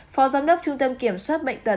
phó giám đốc trung tâm kiểm soát bệnh tật